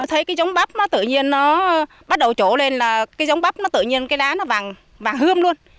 thấy cái giống bắp nó tự nhiên nó bắt đầu trổ lên là cái giống bắp nó tự nhiên cái đá nó vàng vàng hươm luôn